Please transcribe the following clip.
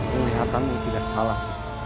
penglihatanku tidak salah